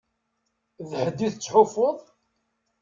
D ḥedd i tettḥufuḍ?